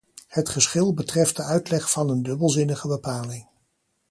Het geschil betreft de uitleg van een dubbelzinnige bepaling.